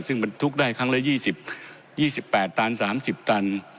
ซึ่งบรรทุกได้ครั้งละ๒๘ตัน๓๐ตัน